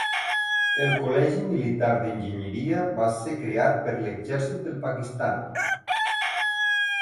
El Col·legi Militar d'Enginyeria va ser creat per l'exèrcit del Pakistan.